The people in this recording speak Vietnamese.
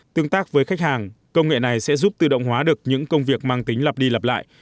tương tác với khách hàng công nghệ này sẽ giúp tự động hóa được những công việc mang tính lặp đi lặp lại